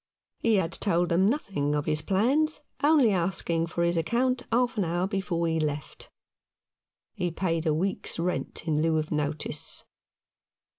He had told them nothing of his plans, only asking for his account half an hour before he left. He paid a week's rent in lieu of notice.